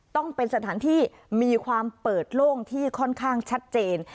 ต้องเป็นสถานที่มีความเปิดโล่งที่ค่อนข้างชัดเจน